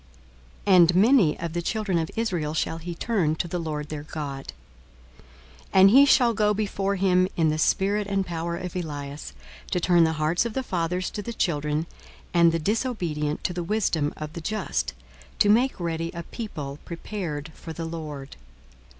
42:001:016 And many of the children of Israel shall he turn to the Lord their God. 42:001:017 And he shall go before him in the spirit and power of Elias, to turn the hearts of the fathers to the children, and the disobedient to the wisdom of the just; to make ready a people prepared for the Lord.